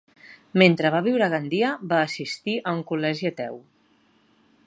Mentre va viure a Gandia va assistir a un col·legi ateu.